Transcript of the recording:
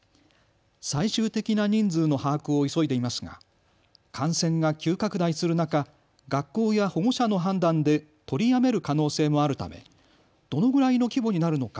最終的な人数の把握を急いでいますが感染が急拡大する中、学校や保護者の判断で取りやめる可能性もあるためどのぐらいの規模になるのか